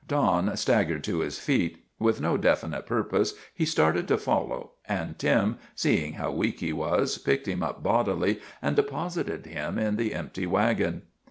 Don staggered to his feet. With no definite pur pose he started to follow and Tim, seeing how weak he was, picked him up bodily and deposited him in the empty wagon.